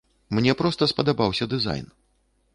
Мне проста спадабаўся дызайн.